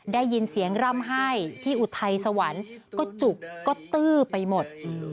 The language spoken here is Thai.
ได้ยินเสียงร่ำไห้ที่อุทัยสวรรค์ก็จุกก็ตื้อไปหมด